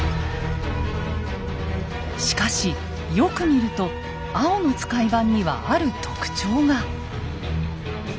しかしよく見ると青の使番にはある特徴が。